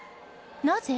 なぜ？